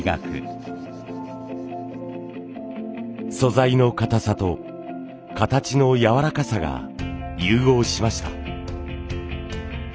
素材のかたさと形のやわらかさが融合しました。